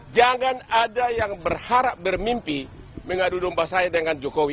jangan ada yang berharap bermimpi mengadu domba saya dengan jokowi